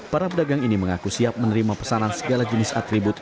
para pedagang ini mengaku siap menerima pesanan segala jenis atribut